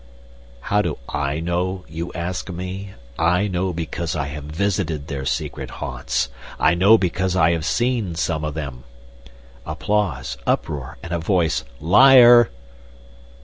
"How do I know, you ask me? I know because I have visited their secret haunts. I know because I have seen some of them." (Applause, uproar, and a voice, "Liar!")